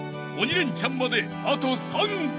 レンチャンまであと３曲］